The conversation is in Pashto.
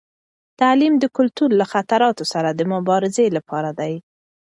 تعلیم د کلتور له خطراتو سره د مبارزې لپاره دی.